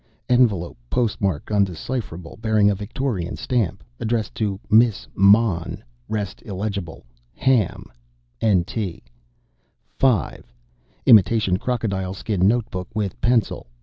Envelope, postmark undecipherable, bearing a Victorian stamp, addressed to "Miss Mon " (rest illegible) "ham" "nt." 5. Imitation crocodile skin notebook with pencil.